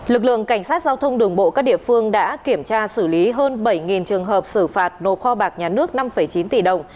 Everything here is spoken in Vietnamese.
lực lượng cảnh sát giao thông đường bộ các địa phương đã kiểm tra xử lý hơn bảy trường hợp xử phạt nộp kho bạc nhà nước năm chín tỷ đồng